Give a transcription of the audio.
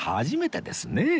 初めてですね